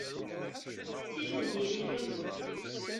D tin n diri yakk.